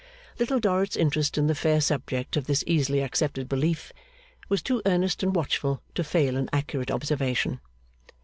Little Dorrit's interest in the fair subject of this easily accepted belief was too earnest and watchful to fail in accurate observation.